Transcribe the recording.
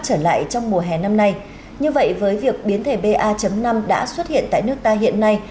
trở lại trong mùa hè năm nay như vậy với việc biến thể ba năm đã xuất hiện tại nước ta hiện nay